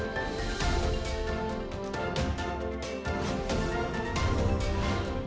dalam jangka enam bulannya